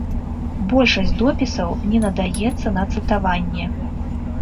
Большасць допісаў не надаецца на цытаванне.